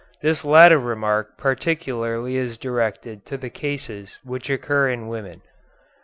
This latter remark particularly is directed to the cases which occur in women.